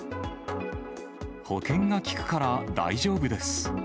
保険が利くから大丈夫です。